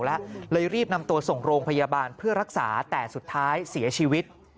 แล้วเลยรีบนำตัวส่งโรงพยาบาลเพื่อรักษาแต่สุดท้ายเสียชีวิต